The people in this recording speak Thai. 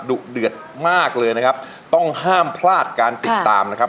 ดุเดือดมากเลยนะครับต้องห้ามพลาดการติดตามนะครับ